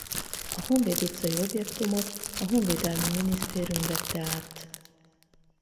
A Honvéd utcai objektumot a Honvédelmi Minisztérium vette át.